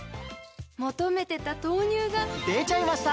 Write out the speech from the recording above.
求めてた豆乳がでちゃいました！